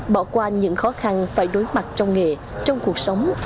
bỏ qua những khó khăn phải đối mặt trong nghề trong cuộc sống